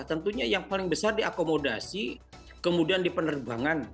tentunya yang paling besar diakomodasi kemudian dipenerbangan